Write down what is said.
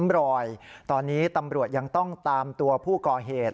รอยตอนนี้ตำรวจยังต้องตามตัวผู้ก่อเหตุ